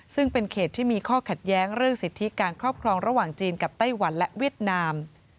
ซึ่งเป็นเขตที่มีข้อขัดแย้งเรื่องสิทธิการครอบครองระหว่างจีนกับไต้หวันและเวียดนาม